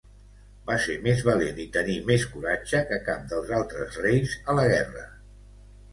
Va ser més valent i tenir més coratge que cap dels altres reis a la guerra.